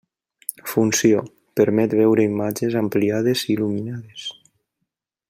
Funció: permet veure imatges ampliades i il·luminades.